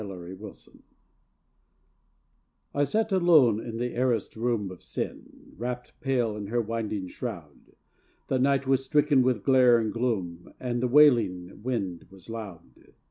IDENTITIES I sat alone in the arrased room Of Sin, wrapped pale in her winding shroud; The night was stricken with glare and gloom, And the wailing wind was loud.